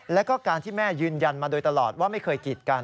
แล้วก็การที่แม่ยืนยันมาโดยตลอดว่าไม่เคยกีดกัน